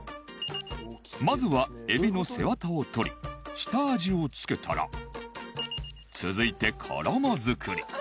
まずはエビの背わたを取り下味をつけたら続いて衣作り